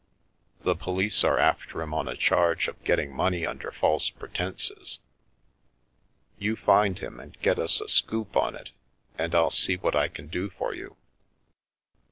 The police are after him on a charge of getting money under false pretences. You find him and get us a ' scoop ' on it, and I'll see what I can do for you."